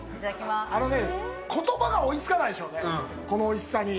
あのね、言葉が追いつかないでしょうね、このおいしさに。